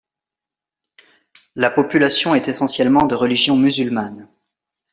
La population est essentiellement de religion musulmane.